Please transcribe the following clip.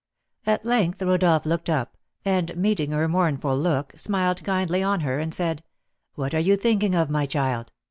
At length Rodolph looked up, and, meeting her mournful look, smiled kindly on her, and said, "What are you thinking of, my child?